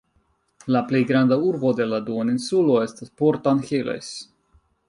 La plej granda urbo de la duoninsulo estas Port Angeles.